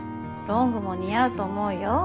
ロングも似合うと思うよ